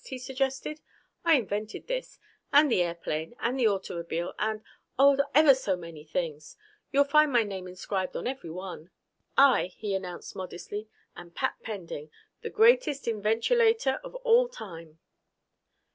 he suggested. "I invented this. And the airplane, and the automobile, and oh, ever so many things. You'll find my name inscribed on every one. "I," he announced modestly, "am Pat Pending the greatest inventulator of all time."